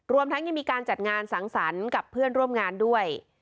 ทั้งยังมีการจัดงานสังสรรค์กับเพื่อนร่วมงานด้วย